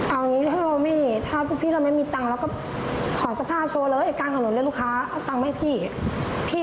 เอาอย่างนี้ถ้าพี่เราไม่มีตังค์แล้วก็ขอสภาพโชว์เลยไอ้ก้านของหนูเรียกลูกค้าเอาตังค์มาให้พี่